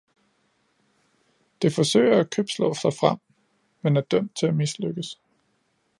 Det forsøger at købslå sig frem, men er dømt til at mislykkes.